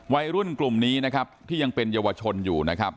วัยรุ่นกลุ่มนี้นะครับที่ยังเป็นเยาวชนอยู่นะครับ